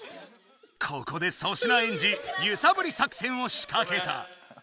ここで粗品エンジゆさぶり作戦をしかけた。